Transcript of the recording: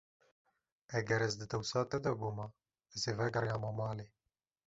Eger ez di dewsa te de bûma, ez ê vegeriyama malê.